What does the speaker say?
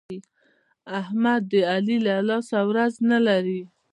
احمد د علي له لاسه ورځ نه لري.